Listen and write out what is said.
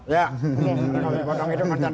yang dipotong itu koncentrasi